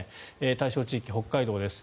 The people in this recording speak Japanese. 対象地域は北海道です。